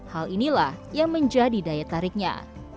hal inilah yang menjadi daya tariknya